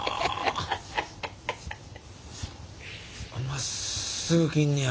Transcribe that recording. まっすぐ切んねや。